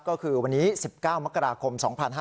ก็คือวันนี้๑๙มกราคม๒๕๕๙